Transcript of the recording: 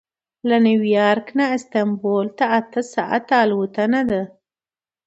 له نیویارک نه استانبول ته اته ساعته الوتنه ده.